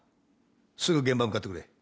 すぐ現場に向かってくれ。